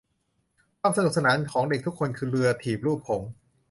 ความสนุกสนานของเด็กทุกคนคือเรือถีบรูปหงส์